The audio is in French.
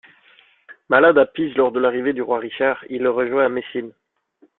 Malade à Pise lors de l'arrivée du roi Richard, il le rejoint à Messine.